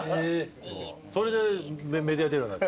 それでメディア出るように。